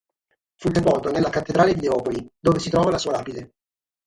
Fu sepolto nella cattedrale di Leopoli, dove si trova la sua lapide.